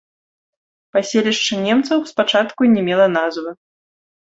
Паселішча немцаў спачатку не мела назвы.